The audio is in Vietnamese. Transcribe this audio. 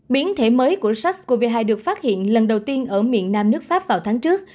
biến thể mới của sars cov hai được phát hiện lần đầu tiên ở miền nam nước pháp vào tháng trước